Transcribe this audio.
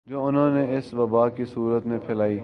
جو انھوں نے اس وبا کی صورت میں پھیلائی